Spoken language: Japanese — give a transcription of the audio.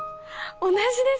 同じです。